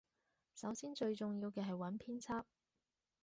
首先最重要嘅係揾編輯